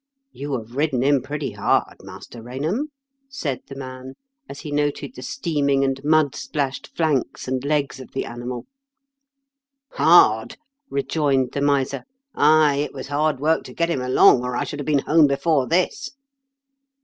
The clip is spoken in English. " You have ridden him pretty hard, Master Eainham," said the man, as he noted the steaming and mud spkshed flanks and legs of the animal. *' Hard 1 " rejoined the miser. "Ay, it was hard work to get him along, or I should have been home before this."